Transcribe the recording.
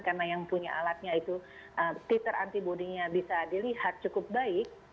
karena yang punya alatnya itu titer antibody nya bisa dilihat cukup baik